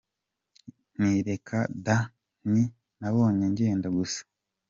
Nti reka da, nti nabonye ngenda gusa.